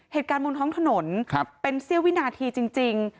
เหตุการณ์บนท้องถนนเป็นเสี้ยววินาทีจริง